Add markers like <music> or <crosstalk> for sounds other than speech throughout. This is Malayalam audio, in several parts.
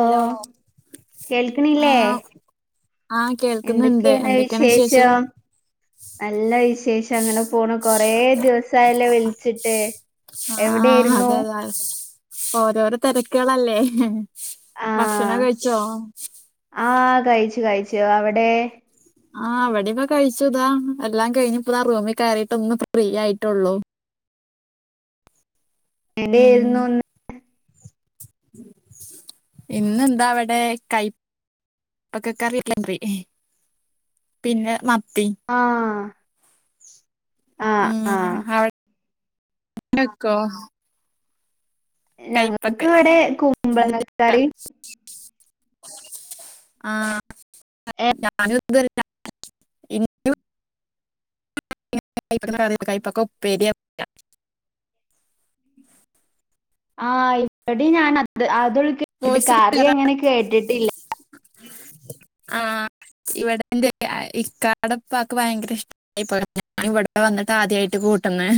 ഹലോ കേൾക്ക്ണില്ലേ, ആഹ് എന്തൊക്കെയാണ് വിശേഷം? നല്ല വിശേഷം അങ്ങനെ പോണു കൊറേ ദിവസായല്ലേ വിളിച്ചിട്ട് ആഹ് എവിടെയായിരുന്നു അതെ അതെ ഓരോരോ തെരക്ക്കളല്ലേ, ഭക്ഷണം കഴ്ച്ചോ? ആഹ് കഴിച്ചു കഴിച്ചു അവടെ? ആഹ് ഇവടെക്കെ കഴിച്ചു ഇതാ എല്ലാം കഴിഞ്ഞു ഇപ്പതാ റൂമിൽ കയറിട്ട് ഒന്ന് ഫ്രീ ആയിട്ടൊള്ളൂ ഉം എന്തെയ്രുന്നു ഇന്ന് ഇന്നെന്താ ഇവടെ കൈ പ്പക്കറില്ലറി <unintelligible> പിന്നെ മത്തി ആഹ്. ഹ്മ്മ് അവ <inaudible> ഡെക്കോ ഞങ്ങൾക്ക് കൈപ്പക്കൈ ഇവിടെ കുമ്പളങ്ങ കറി <unintelligible> <inaudible> ആഹ് ഏ ഞാനും <unintelligible> <unintelligible> കൈപ്പങ്ങ കറി കൈപ്പക്ക ഉപ്പേരിയാ ആഹ് ഇപ്പടി ഞാനത് അതുൽ കേട്ട് വോയിസ് കറി ക്ലിയർ അങ്ങനെ കേട്ട്ട്ടില്ല <inaudible> ആഹ് ഇവടെ എന്താറിയാ ഏഹ് ഇക്കാടെ ഇപ്പാക്ക് ഭയങ്കര ഇഷ്ട <unintelligible> ഇവടെ വന്നിട്ട് ആദ്യായ്ട്ട് കൂട്ടുന്നെ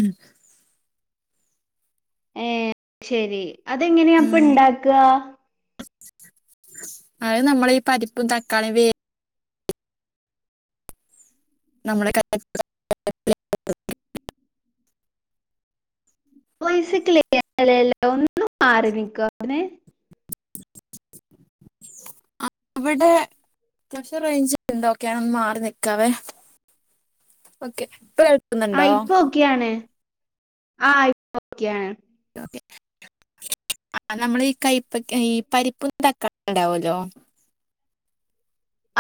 ഏഹ് ശെരി അതെങ്ങനെയാ അപ്പണ്ടാക്കാ <inaudible> അത് നമ്മള് ഈ പരിപ്പും തക്കാളിയും വേ ഞമ്മളെ ക <unintelligible> വോയിസ് ക്ലിയറല്ലല്ലോ ഒന്ന് മാറി നിക്കോ അവ്ട്ന്ന് <inaudible> ഇവടെ അത്യാവശ്യം റേജ്ജ്ണ്ട് ഒക്കെ ഒന്ന് മാറി നീക്കാവേ ഓക്കെ, ഇപ്പ കേ ആഹ് ഇപ്പൊക്കെയാണ്, ആഹ് ഇപ്പൊക്കെയാണ്. ഒക്കെ. നമ്മളെ ഈ കൈപ്പക്ക ഈ പരിപ്പും തക്കാളീം ഇണ്ടാവല്ലോ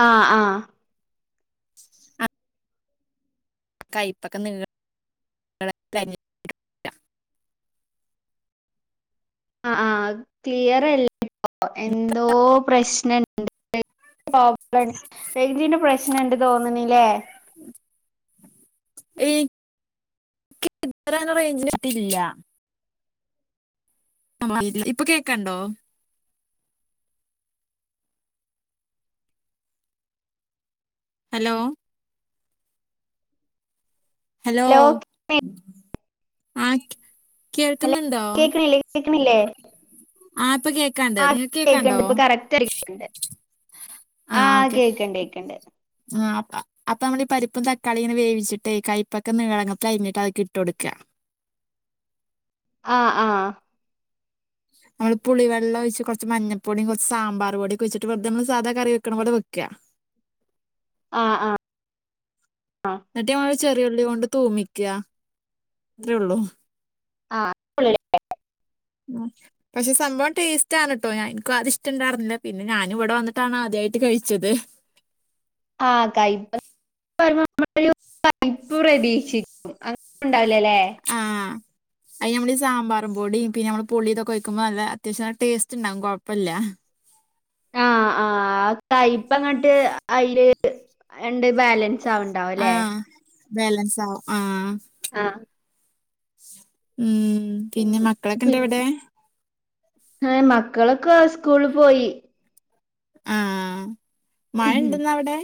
ആഹ് ആഹ് കൈപ്പക്ക നീ ആഹ് ആഹ് ക്ലിയറല്ലല്ലോ എന്തോ പ്രശ്ന <unintelligible> പ്രോബ്ലംണ്ട്‌ റെയ്ജിന്റെ പ്രശ്നം ഉണ്ട്‌ തോന്ന്ണ്ല്ലേ <unintelligible> <unintelligible> ഇപ്പ കേൾക്കണ്ടോ ഹലോ ഹലോ, ആഹ് കേ ഹലോ കേൾക്ക്ന്ന്ണ്ടോ, കേക്ക്ണില്ലേ ആഹ് ഇപ്പ കേ ആഹ് കേക്ക്ണ്ട് ഇപ്പ കറക്റ്റായി കേൾക്ക്ണ്ട്. ആഹ് ക്കെ. ആഹ് അ അപ്പ നമ്മള് ഈ പരിപ്പും തക്കാളിയിങ്ങനെ വേവിച്ച്ട്ടേ കൈപ്പക്ക നീളങ്ങത്തിലരിഞ്ഞ്ട്ട് അഴഞ്ഞിട്ട് അതിക്ക് ഇട്ട് കൊടുക ആഹ് ആഹ്. നമ്മള് പുളിവെള്ളൊഴിച്ച് കൊറച്ച് മഞ്ഞപ്പൊടിം കൊറച്ച് സാമ്പാറ് പൊടിംഒക്കെ ഒഴ്ച്ചിട്ട് വെറുതെ നമ്മള് സാധാ കറി വെക്ക്ണ പോലെ വെക്കാ ആഹ് ആഹ് ന്നിട്ട് നമ്മള് ചെറി ഉള്ളി കൊണ്ട് തൂമിക്ക അത്രേ ഉള്ളു ആഹ് <unintelligible> ഉം പക്ഷെ സംഭവം ടേസ്റ്റ് ആണ് ട്ടോ ഞ എനിക്കും അതിഷ്ടണ്ടാർന്നില്ല പിന്നെ ഞാനു ഇവിടെ വന്നിട്ടാണ് ആദ്യായിട്ട് കഴിച്ചത് ആഹ് കയിപ്പ് <unintelligible> കയ്പ്പ് പ്രതീക്ഷിക്കും അങ്ങന ഉണ്ടാവിലല്ലേ ആഹ് അയി നമ്മളി ഈ സാമ്പാറും പൊടിം പിന്ന നമ്മ പുളി ഇതൊക്കെയി ക്കുമ്പോ നല്ല അത്യാവശ്യം ടേസ്റ്റ് ഉണ്ടാകും കുഴപ്പല്ല കൈപ്പങ്ങട്ട് അയില് എണ്ട് ബാലൻസ് ആവ്ണ്ടാവുംല്ലേ ബേലൻസ് ആവും ആഹ് ആഹ് ഉം പിന്നെ മക്കളൊക്കെ ഇണ്ടവിടെ? ആ മക്കളൊക്കെ സ്കൂള് പോയി ആഹ് മഴ ണ്ട്ന്ന അവിടെ?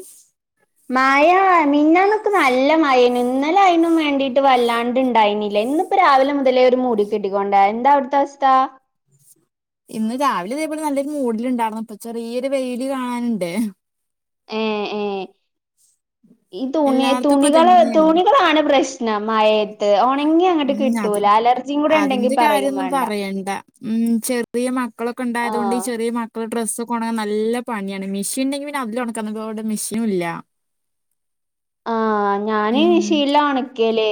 മയാ മിഞ്ഞാന്നൊക്കെ നല്ല മഴെനു ഇന്ന ഇന്നാല അയിനും വേണ്ടിട്ട് വല്ലാണ്ട് ഇണ്ടായിനില്ല ഇന്നിപ്പോ രാവിലെ മുതലേ ഒരു മൂടി കെട്ടിക്കൊണ്ട എന്താ അവിടുത്തെ അവസ്ഥ? ഇന്ന് രാവിലെ അതേപോലെ നല്ലൊരു മൂഡിലുണ്ടായിരുന്നു ഇപ്പൊ ചെറിയൊരു വെയില് കാണാനിണ്ട് ഏഹ് ഏഹ് ഈ തുണി എല്ലായിടത്തും ഇപ്പൊ തുണികള് ഇതന്നെയാണ്. തുണികളാണ് പ്രശ് നം മയേത്ത് ഒണങ്ങി അങ്ങട്ട് ഉം അത് കിട്ടൂല അലർജിം കൂടെണ്ടെങ്കി പറയും വേണ്ട വേണ്ട ഉം ചെറിയ മക്കളൊക്കെ ഉണ്ടായതുകൊണ്ട് ഈ ആഹ് ചെറിയ മ പ്പ ഡ്രസ്സാക്കെ ഉണങ്ങൻ നല്ല പണിയാണ് മെഷീൻ ഉണ്ടെങ്കി പിന്നെ അതില് ഉണക്കാന്നെക്കാ അവിടെ മിഷിനു ഇല്ല ആഹ് ഞാന് ഉം മിഷീനില ഒണക്കെല്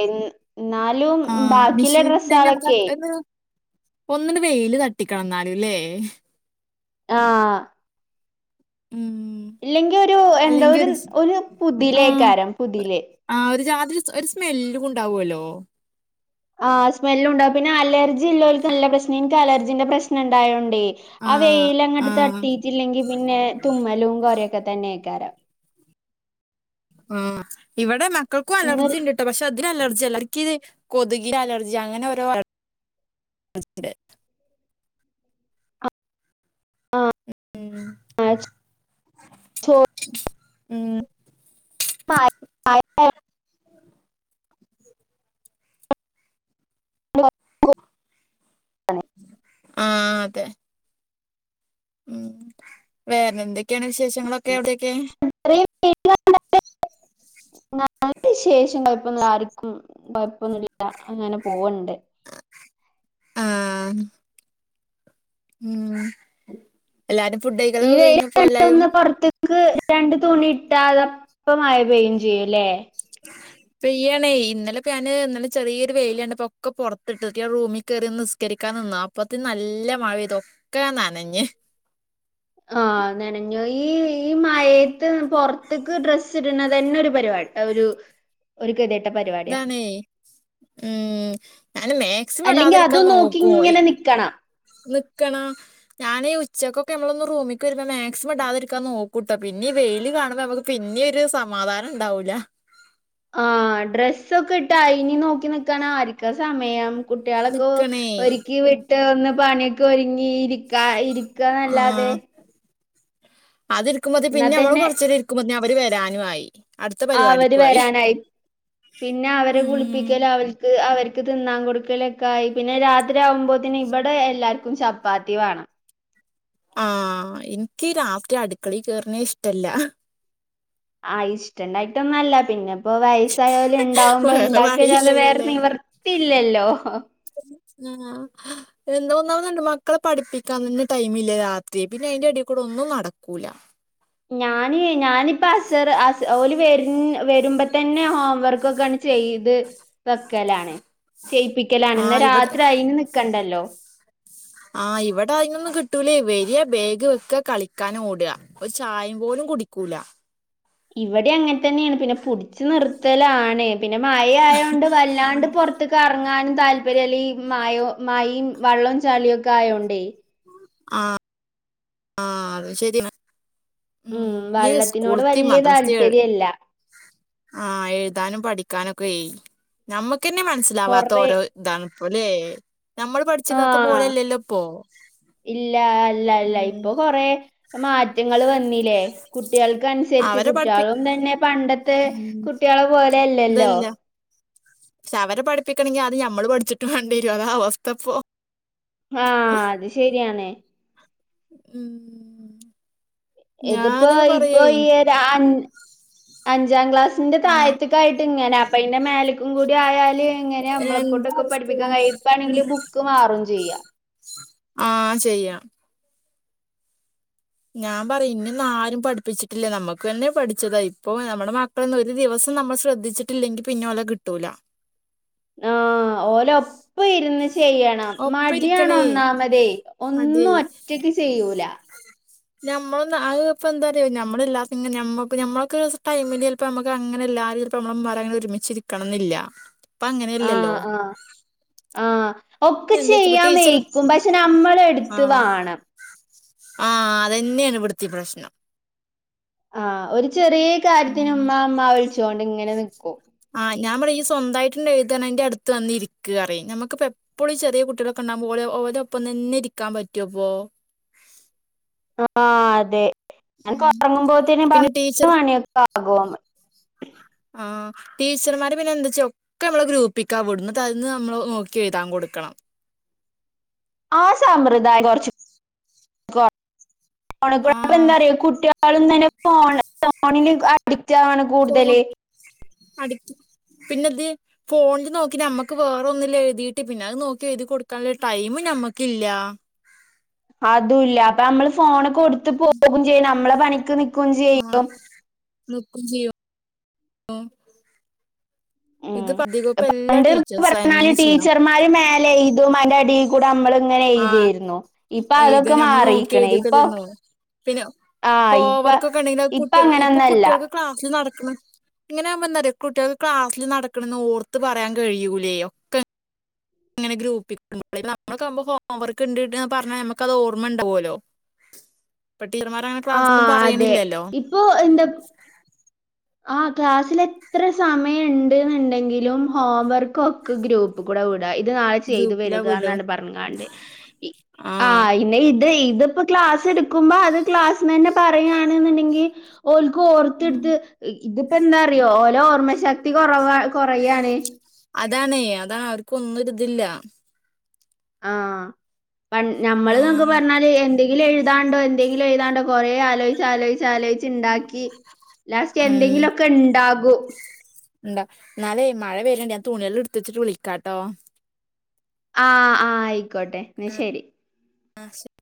ന്നാലും ആഹ് ബാക്കിള്ള മെഷീൻ ഡ്രെസ്സാളൊക്കെയേ ഒന്നണ് വെയില് തട്ടിക്കണം ന്നാലുംല്ലേ ആഹ് ഉം ഇല്ലെങ്കി ഒരു എന്താ ഒരു ഒരു ആഹ് പുതിലേക്കാരം പുതിലേ ആഹ് ഒരു ജാതിൽ ഒരു സ്മെല്ലും ഉണ്ടാവുഅല്ലോ ആഹ് സ്മെല്ലുണ്ടാവും പിന്ന അലർജി ഇല്ലോല്ക്ക് നല്ല പ്രശ്ന ഇനിക്ക് അലർജിന്റെ പ്രശ്നം ഉണ്ടായോണ്ടേ ആഹ് വെയിലങ്ങട്ട് തട്ടിയിറ്റില്ലെങ്കിൽ പിന്നെ തുമ്മലും കൊരെയൊക്കെ തന്നെക്കാരം ആഹ് ഇവിടെ മക്കൾക്കും ഇന്നൊരു അലർജിണ്ട് പക്ഷെ അതിൽ അലർജി അല്ല ഇക്കിത് കൊതുകിനെ അലർജി അങ്ങനെ ഓരോ അല <inaudible> <inaudible> <inaudible> ഉം <unintelligible> ആഹ് അതെ ഉം വേറെ എന്തൊക്കെയാണ് വിശേഷങ്ങളൊക്കെ അവിടെയൊക്കെ <unintelligible> നല്ല വിശേഷം കുഴപ്പ <unintelligible> ല്ല ആർക്കും കുഴപ്പൊന്നുല്ല ല്ല അങ്ങനെ പോവ്ണ്ട് ആഹ് ഉം എല്ലാരും ഫുഡയിക്കലൊക്കെ കഴിഞ്ഞപ്പോ എല്ലാരും? ക്ക് രണ്ടു തുണി ഇട്ടാലപ്പോ മയ പെയ്യും ചെയ്യുല്ലേ പെയ്യാണേ ഇന്നലെ ഇപ്പ ഞാന് ഇന്ന ലെ ചെറി യൊരു വെയില് കണ്ടപ്പോ ഒക്കെ പൊർത്തിട്ട് <unintelligible> റൂമി കേറി നിസ്കരിക്കാൻ നിന്നു അപ്പത്ത് നല്ല മഴ പെയ്തു ഒക്കെ നനഞ്ഞ് ആഹ് നനഞ്ഞു ഈ ഈ മയേത്ത് പൊർത്ത്ക്ക് ഡ്രസ്സ് ഇട്ണതന്നെ ഒരു പരിപാ ഒരു ഒരു ഗതിയെട്ട പരിപാടിയാ ഇതാണേ ഉം ഞാൻ മാക്സിമം അല്ലെങ്കി ഇടാതിരിക്കാൻ അതും നോക്കി നോക്കും ഇങ്ങനെ നിക്കാണ നിക്കണ ഞാന് ഈ ഉച്ചയ്ക്ക് ഒക്കെ ഞമ്മള് ഒന്ന് റൂമിക്കു വരുമ്പോ മാക്സിമം ഇടാതിരിക്കാൻ നോക്കുട്ടോ പിന്നെ ഈ വെയിൽ കാണുമ്പോ ഞമ്മക്ക് പിന്നെരു സമാധാനം ഇണ്ടാവൂല ആഹ് ഡ്രസ്സൊക്കെ ഇട്ട അയ്നി നോക്കി നിക്കാന് ആർ ക്കാ സമയം കുട്ടിയാളൊക്കെ നിക്കണേ ഒരുക്കി വിട്ട് ഒന്ന് പണിയൊക്കെ ഒരുങ്ങി ഇരിക്കാ ഈ ഇർക്കാന്നല്ലാതെ അത് ഇരിക്കുമ്പോത്തേ ഇന്നാ പിന്നെ നമ്മള് തന്നെ കൊർച്ചേരം ഇരിക്കുമ്പോത്ത്ന് അവര് വരാനു ആയി അടുത്ത അവര് പരിപാടിക്കും ആയി വരാനായി. പിന്നെ അവരെ ഉം കുളിപ്പിക്കല് അവർ അവർക്ക് തിന്നാം കൊടുക്കലൊക്കെ ആയി പിന്നെ രാത്രി ആകുമ്പോത്ത്ന് ഇവിടെ എല്ലാവർക്കും ചപ്പാത്തി വാണം ആഹ് ഇൻക്ക് രാത്രി അടുക്കളയി കേറ്ണേ ഇഷ്ടല്ല ആഹ് ഇഷ്ടണ്ടായിട്ടൊന്നുംല്ല പിന്നെ അപ്പൊ വയസായോല് ഇണ്ടാവുമ്പോ വേറെ ഇണ്ടാക്കല്ലാതെ വേറെ വഴിയില്ലല്ലോല്ലേ നിവർത്തില്ലല്ലോ. ആഹ് എന്താ ഒന്നാമത് <unintelligible> മക്കളെ പഠിപ്പിക്കാൻ തന്നെ ടൈമില്ല രാത്രി പിന്നെ അയ്ന്റെ എടേ കൂടെ ഒന്നും നടക്കൂല്ല ഞാന് ഞാനിപ്പോ അസർ അസ ഓല് വർന വരുമ്പത്തെ തന്നെ ഹോംവർക്കൊക്കെണ്ട് ചെയ്ത് വെക്കലാണ് ചെയ്യിപ്പിക്കലാണ് ആ ഇന്ന ഇവിടെ രാത്രി അയിന് നിക്കണ്ടാലോ ആഹ് ഇവടെ അതിനൊന്നും കിട്ടൂലേ വരാ ബേഗ് വെക്ക കളിക്കാൻ ഓട ഒരു ചായം പോലും കുടിക്കൂല ഇവിടെ അങ്ങനെ തന്നെയാണ് പിന്നെ പുട്ച്ചു നിർത്തലാണ് പിന്നെ മഴ ആയോണ്ട് വല്ലാണ്ട് പൊർ- ത്ത്ക്ക് അർങ്ങാനും താല്പര്യം അല്ലേ ഈ മായോ മഴിം വള്ളും ചളിയും ഒക്കെ ആയോണ്ടേ ആഹ് ആഹ് അത് ശരിയാണ് ഉം ഈ വള്ളത്തിനോട് സ്കൂള്ത്തി വല്യ മദ്രസത്തി എയു താല്പര്യല്ല ആഹ് എഴുതാനും പഠിക്കാനൊക്കെ നമ്മക്കന്നെ മനസ്സിലാവാത്ത കൊറേ ഓരോ ഇതാണ് ഇപ്പോ ലെ നമ്മള് പഠിച്ചിരുന്നത്തെ ആഹ് പോലെല്ലല്ലോ ഇപ്പോ ഇല്ല അല്ല അല്ല. ഉം ഇപ്പൊ കൊറേ മാറ്റങ്ങള് വന്നി ലേ കുട്ടിയാൾക്കൻസർച്ച് അവരെ പഠിപ്പി കുട്ടിയാളും തന്നെ പണ്ടത്തെ ഉം കുട്ടിയാളെ പോൽ ലെ അല്ലല്ലോ ഇതല്ല പക്ഷെ അവരെ പഠിപ്പിക്കണമെങ്കിൽ ആദ്യം നമ്മൾ പഠിച്ചിട്ട് വേണ്ടിയരും അതാ അവസ്ഥപ്പോ ആഹ് അത് ശെരിയാണ് ഉം ഇത്പ്പോ ഞാനൊക്കെ പറയേ ഇപ്പൊ ഈ എ ര അൻ അഞ്ചാം ക്ലാസിന്റെ ആഹ് താഴത്ത്ക്കായിട്ട് ഇങ്ങനെ അ പ്പൊ അയ്ന്റ മേലക്കും കൂടി ആയാൽ എങ്ങനെ നമ്മളെ എന്താ കൊണ്ടൊക്കെ പഠിപ്പിക്കാൻ കഴിയ അവസ്ഥ ഇപ്പാണെങ്കില് ബുക്ക് മാറും ചെയ്യ ആഹ് ചെയ്യ ഞാൻ പറയും ഇന്നെന്നും ആരും പഠിപ്പിച്ചിട്ടില്ല നമ്മക്കന്നെ പഠിച്ചതാ ഇപ്പൊ നമ്മുടെ മ ട്ടന്ന് ഒരു ദിവസം നമ്മൾ ശ്രദ്ധിച്ചിട്ടില്ലെങ്കി പിന്നെ ഓലെ കിട്ടൂല. ആഹ് ഓലൊ പ്പ ഇരുന്ന് ചെയ്യണം ഒപ്പം മടിയാണ് ഇരിക്കണേ ഒന്നാമതേ അതെ ഒന്നു ഒ റ്റയ്ക്ക് ചെയ്യൂല. ഞമ്മളും ന്ന് അഹ് ഇപ്പ എന്താറിയോ ഞമ്മളില്ലാത്ങ ഞമ്മക്കും ഞമ്മൾക്കൊരൂസം ടൈമില് ചെൽ പ്പ മ്മക്ക് അങ്ങനെ എല്ലാരും ഇത്പ്പ നമ്മളെ ഇമ്മാരങ്ങനെ ഒരുമിച്ചിരിക്കണം ന്നില്ല. ഇപ്പങ്ങന്യല്ലല്ലോ. ആഹ് ആഹ്. ആഹ് ഒക്കെ എന്താ വെച്ച ഇപ്പ ചെയ്യാൻ ടീച്ചർ വെയ്ക്കും പക്ഷെ നമ്മളെടുത്ത് ആഹ് വാണം. ആഹ് അതെന്നേണ് ഇവട്ത്തിം പ്രശ്നം. ആഹ് ഒരു ചെറിയെ കാര്യത്തിന് ഉം ഉമ്മാ ഉമ്മാ വിളിച്ചോണ്ട് ഇങ്ങനെ നിക്കും. ആഹ് ഞാൻ പറയും ഇയ്യ് സ്വന്തായിട്ടെന്നെ എഴുതാണേ ഇന്റടുത്ത് വന്ന് ഇരിക്ക് പറയും ഞമ്മക്ക്പ്പെപ്പ എപ്പളും ചെറിയ കുട്ടികളൊക്കണ്ടാവുമ്പോ ഓലെ ഓലൊപ്പം തന്നെ ഇരിക്കാൻ പറ്റൊ പ്പോ. ആഹ് അതെ ഉം. ഞാനൊക്കൊറങ്ങുമ്പോത്ത്ന് പിന്നെ ടീച്ചർ പന്ത്രണ്ട് മണിയൊക്കാകും. ആഹ് ടീച്ചർമാര് പിന്നെ എന്തചൊ ക്കെ നമ്മള് ഗ്രൂപ്പിക്കാ വിടും ഇന്നട്ട് അതീന്ന് നമ്മൾ നോക്കി എഴുതാൻ കൊട്ക്കണം. ആ സാമ്പ്രദായം കൊർച്ച് കൊർ <unintelligible> ആ ഫോൺകുടെ അപ്പൊഎന്താറിയോ കുട്ടിയേ ളും തെന്നെ ഫോൺ ഫോണില് അഡിക്റ്റാവാണ് കൂടുതല്. അഡിക്റ്റ് പിന്നെ ദ് ഫോണിൽ നോക്കി ഞമ്മക്ക് വേറൊന്നില് എഴുതീട്ട് പിന്നെ അത് നോക്കി എഴുതി കൊടുക്കാനുള്ള ടൈമ് ഞമ്മക്കില്ലാ. അതൂല്ല. അപ്പ നമ്മള് ഫോണ് കൊടുത്ത് പോകും ചെയ്യും നമ്മളെ പണിക്ക് നി ആഹ് നിക്കും ചെയ്യും. ഉം ഇത് ഇപ്പധികു ഇപ്പെല്ലാ ടീച്ചേഴ്സും അതെന്നെ ചെയ്യ്ണം. മാരി മേ ലെയ്തുമ്പ അയ്ൻ്റെടീ കൂടെ അമ്മള് ങ്ങനെ ആഹ് എയ്തേര്ന്നു. ഇപ്പ ഇത് അതൊക്കെ ഞമ്മള് നോക്കി മാറീക്ക്ണ് ഇപ്പൊ എഴുതിക്കല്ലേരുന്നോ പിന്നെ ആഹ് ഇപ്പ ഇപ്പ അങ്ങനൊന്നല്ല ക്ലാസിൽ നടക്ക്ണ് ഇങ്ങനൊവുമ്പൊ എന്താറിയൊ കുട്ടിയേൾക്ക് ക്ലാസ്സിൽ നടക്ക്ണന്ന് ഓർത്ത് പറയാൻ കഴിയൂലേ. ഒ ക്കെങ്ങെനെ ഗ്രൂപ്പിക് ഇട്മ്പളെ നമ്മളക്കാവുമ്പോ ഹോം വർക്ക് ഇണ്ട് ണ്ട് ന്ന് പർഞ്ഞാ നമ്മക്കത് ഓർമ്മ ഉണ്ടാവോലോ. ഇപ്പൊ ടീച്ചർമാരങ്ങനെ ക്ലാസ്ന്നും പറയ്ണില്ലല്ലോ. ഇപ്പോ എന്താ ആഹ് ക്ലാസ്സിൽ എത്ര സമയം ഇണ്ട്ന്ന്ണ്ടെങ്കിലും ഹോം വർക്ക് ഒക്കെ ഗ്രൂപ്പ് കൂടെ വി ടാ ഇത് നാളെ ചെയ്തു ഗ്രൂപ്പിലാ വരുക വിടും ന്നാണ്ട് പർഞ്ങ്ങാണ്ട് ഇ ആഹ് ഇന്നെ ഇ ത് ഇതിപ്പോ ക്ലാസ് എടുക്കുമ്പോ അത് ക്ലാസ്ന്നെന്നെ പറയാണ്ന്ന്ണ്ടെങ്കി ഓൽക്ക് ഉം ഓർത്ത്ട്ത്ത് ഇ ഇതിപ്പോ എന്താറിയോ ഓല ഓർമ്മ ശക്തി കുറവാ കുറയാണ്. അതാണേ അതാണ് അവർക്ക് ഒന്നു ഒരിതില്ല. ആഹ് പൺ ഞമ്മള്ന്നൊക്ക ആഹ് പർഞ്ഞാ ല് എന്തങ്കിലും എഴുതാണ്ടോ എന്തെങ്കിലും എഴുതാണ്ടോ കൊറെ ആലോയിച്ചാലോയ്ച്ച് ആലോയി ച്ച്ണ്ടാക്കി ലാസ്റ്റ് എന്തെങ്കിലും ഒക്കെ ഇണ്ടാകു. ഇണ്ട ഇന്നാലേ മഴ വര്ണ്ട് ഞാൻ തുണ്യോള് ഇട്ത്തെച്ചിട്ട് വിളിക്കാട്ടോ. ആഹ് ആഹ് ആയിക്കോട്ടെ ഇന്നാ ശരി. ആഹ് ശരി.